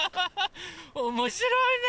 おもしろいね！